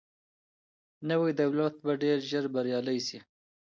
نوی دولت به ډیر ژر بریالی سي.